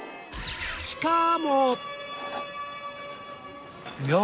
しかも